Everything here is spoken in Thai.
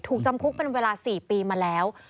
จำคุกเป็นเวลา๔ปีมาแล้ว